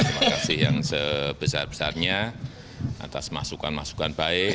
terima kasih yang sebesar besarnya atas masukan masukan baik